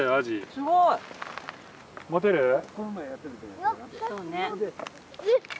すごい！うっ！